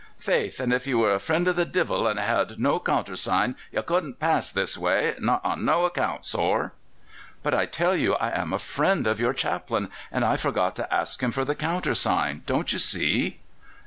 "Faith! an' if ye were a friend of the divil and had no counthersign ye couldn't pass this way not on no account, sor." "But I tell you I am a friend of your chaplain, and I forgot to ask him for the countersign. Don't you see?"